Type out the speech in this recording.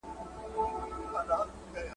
زه کولای سم سپينکۍ پرېولم؟